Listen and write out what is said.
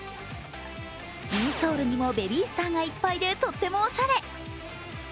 インソールにもベビースターがいっぱいでとってもおしゃれ。